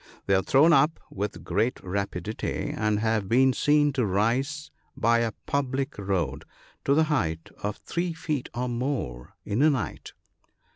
They are thrown up with great rapidity, and have been seen to rise by a public road to the height of three feet or more in a night.